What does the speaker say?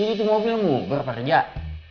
itu mobilmu berapa rejak